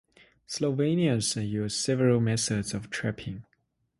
Slovenians use several methods of trapping.